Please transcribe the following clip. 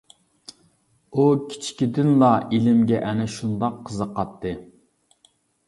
ئۇ كىچىكىدىنلا ئىلىمگە ئەنە شۇنداق قىزىقاتتى.